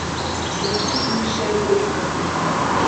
Зусім іншае войска будзе.